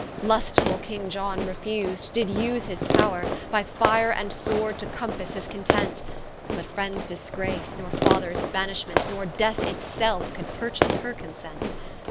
Lustfull King Iohn refus'd, did vse his powre, By Fire and Sword, to compasse his content: But Friends disgrace, nor Fathers banishment, Nor Death it selfe, could purchase her consent.